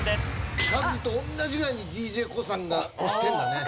カズと同じぐらいにＤＪＫＯＯさんが押してるんだね。